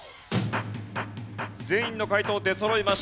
全員の解答出そろいました。